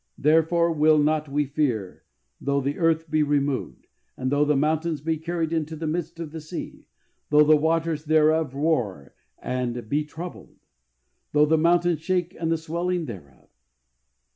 Therefore will not we fear though the earth be removed, and though the mountains be carried into the midst of the sea, though the waters thereof roar and be troubled, though the mountains shake with the swelling thereof."